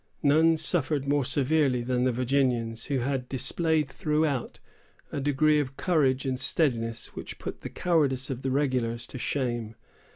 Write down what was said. None suffered more severely than the Virginians, who had displayed throughout a degree of courage and steadiness which put the cowardice of the regulars to shame.